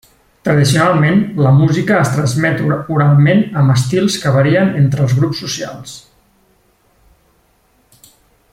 Tradicionalment, la música es transmet oralment amb estils que varien entre els grups socials.